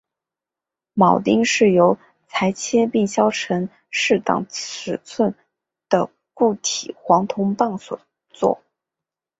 铆钉是由裁切并削尖成适当尺寸的固体黄铜棒所做。